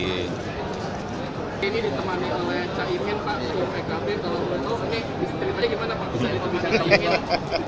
ini ditemani oleh pak